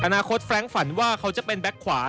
อนาคตแฟรงค์ฝันว่าเขาจะเป็นแบ็คขวา